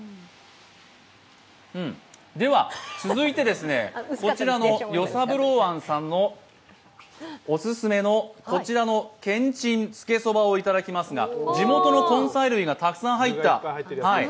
続いて、与三郎庵さんのおすすめのこちらの、けんちんつけそばをいただきますが、地元の根菜類がたくさん入った。